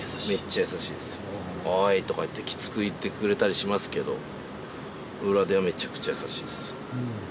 おい！とかいって、きつく言ってくれたりとかしますけど、裏ではめちゃくちゃ優しいです。